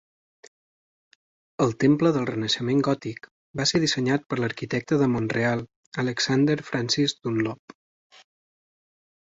El Temple del Renaixement Gòtic va ser dissenyat per l'arquitecte de Montreal Alexander Francis Dunlop.